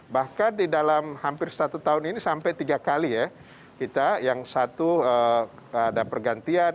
bahkan di dalam hampir satu tahun ini sampai tiga kali ya kita yang satu ada pergantian